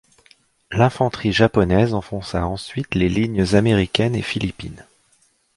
L'infanterie japonaise enfonça ensuite les lignes américaines et philippines.